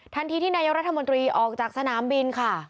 ที่นายกรัฐมนตรีออกจากสนามบินค่ะ